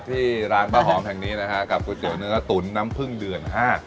ที่ร้านป้าหอมแห่งนี้นะฮะกับก๋วยเตี๋ยวเนื้อตุ๋นน้ำพึ่งเดือนห้า